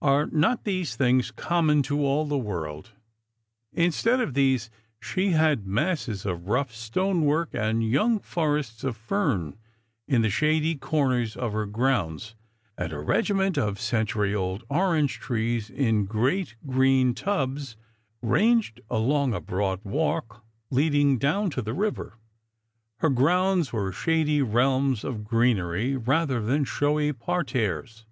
Are not these things common to all tlie world ? Instead of these, she had masses of rough stonework and young forests of fern in the shady corners of bcr grounds, and a regiment of century old orange trees ia Isf rangers and Filgrima. 1G5 great green tubs, ranged along a broad walk leading down to the river. Her grounds were shady realms of greenery, rather than showy parterres.